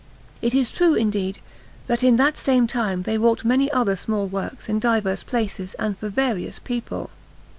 It is true, indeed, that in that same time they wrought many other small works in diverse places and for various people.